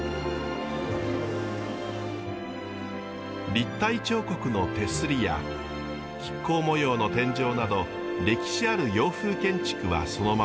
立体彫刻の手すりや亀甲模様の天井など歴史ある洋風建築はそのままに。